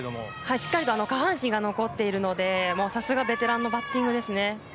しっかりと下半身が残っているのでさすがベテランのバッティングですね。